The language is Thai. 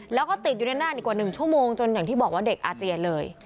แล้วก็ติดอยู่ด้านหน้าอีกกว่า๑ชั่วโมงจนอย่างที่บอกว่าเด็กอาเจียนเลย